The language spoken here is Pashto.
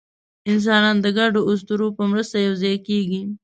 انسانان د ګډو اسطورو په مرسته یوځای کېږي.